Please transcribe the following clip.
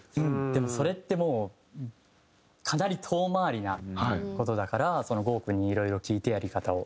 でもそれってもうかなり遠回りな事だから豪君にいろいろ聞いてやり方を。